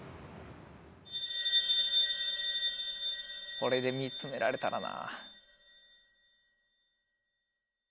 これで見つめられたらな。